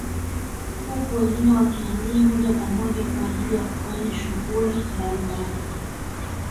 Huku wengine wakihamia moja kwa moja kwa ajili ya kufanya shughuli mbalimbali